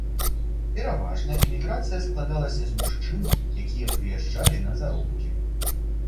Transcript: Пераважна іміграцыя складалася з мужчын, якія прыязджалі на заробкі.